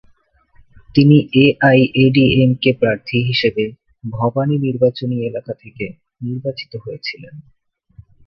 তিনি এআইএডিএমকে প্রার্থী হিসাবে ভবানী নির্বাচনী এলাকা থেকে নির্বাচিত হয়েছিলেন।